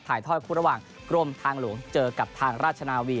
ถ้อยคู่ระหว่างกรมทางหลวงเจอกับทางราชนาวี